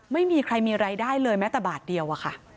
ไม่มีใครมีรายได้เลยแม้แต่บาทเดียวอะค่ะ